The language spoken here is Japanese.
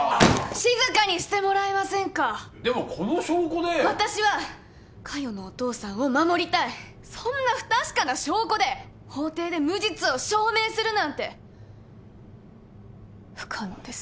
静かにしてもらえませんかでもこの証拠で私は加代のお父さんを守りたいそんな不確かな証拠で法廷で無実を証明するなんて不可能です